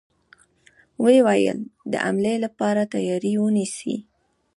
و يې ويل: د حملې له پاره تياری ونيسئ!